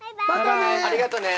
ありがとね。